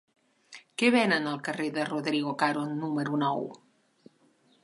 Què venen al carrer de Rodrigo Caro número nou?